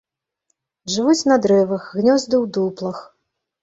Жывуць на дрэвах, гнёзды ў дуплах.